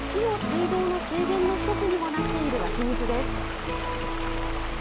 市の水道の水源の一つにもなっている湧き水です。